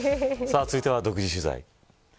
さあ続いては独自取材。